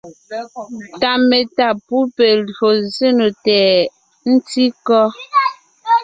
Ta metá pú pe lyò zsé nò tɛʼ ? ntí kɔ́?